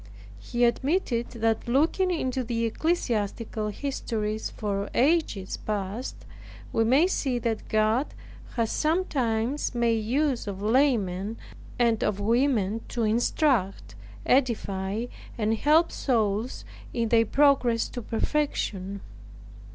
He admitted that looking into the ecclesiastical histories for ages past, we may see that God has sometimes made use of laymen, and of women to instruct, edify, and help souls in their progress to perfection.